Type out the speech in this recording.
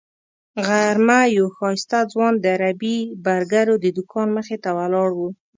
غرمه یو ښایسته ځوان د عربي برګرو د دوکان مخې ته ولاړ و.